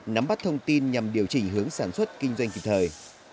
nắm bắt thông tin nhằm điều chỉnh hướng sản xuất kinh doanh kịp thời